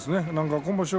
今場所